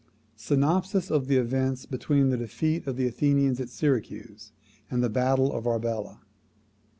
SYNOPSIS OF THE EVENTS BETWEEN THE DEFEAT OF THE ATHENIANS AT SYRACUSE, AND THE BATTLE OF ARBELA.